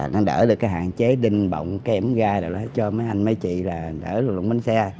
nó đỡ được cái hạn chế đinh bọng kém gai cho mấy anh mấy chị là đỡ luôn bánh xe